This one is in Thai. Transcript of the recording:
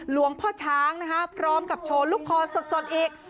หลวงพ่อช้างนะคะพร้อมกับโชว์ลูกคอสดอีก